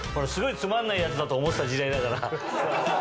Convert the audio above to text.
すごいつまんないやつだと思ってた時代だから。